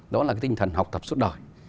đó là cái tinh thần học tập suốt đời